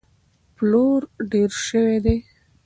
پلور ډېر شوی دی.